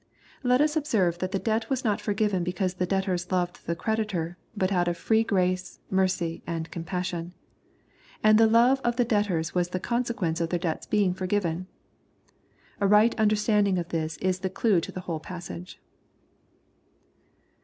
] Let us observe that the debt was not forgiven because the debtors loved their creditor, but out of free grace, mercy and compassion. And the love of the debtors was the consequence of their debts being forgiven. A right under standing of this is the clue to the whole passage.